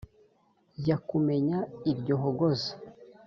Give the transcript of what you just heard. njya kumenya iryo hogoza